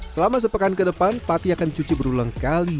selama sepekan ke depan pati akan dicuci berulang kali